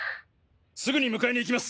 すぐに迎えに行きます。